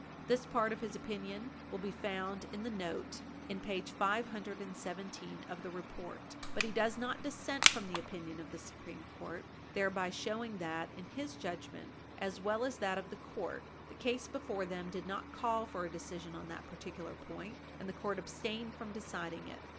This part of his opinion will be found in the note in page 517 of the report [argument of counsel omitted]. But he does not dissent from the opinion of the Supreme Court, thereby showing that, in his judgment as well as that of the court, the case before them did not call for a decision on that particular point, and the court abstained from deciding it.